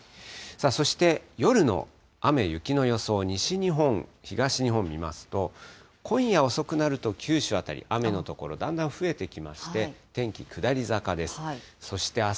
そして夜の雨、雪の予想、西日本、東日本見ますと。今夜遅くなると九州辺り、雨の所、だんだん増えてきまして、天気、下り坂です。